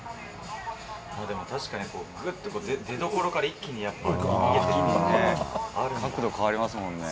でも確かに、ぐっと出どころから一気にやっぱ逃げていくんですね。